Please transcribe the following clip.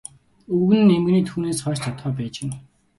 Өвгөн нь эмгэнээ түүнээс хойш зодохоо байж гэнэ.